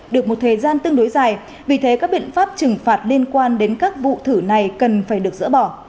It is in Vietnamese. được một thời gian tương đối dài vì thế các biện pháp trừng phạt liên quan đến các vụ thử này cần phải được dỡ bỏ